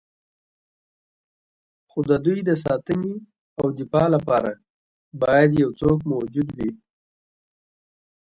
خو د دوی د ساتنې او دفاع لپاره باید یو څوک موجود وي.